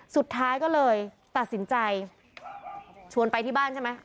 สุดท้ายก็เลยตัดสินใจชวนไปที่บ้านใช่ไหม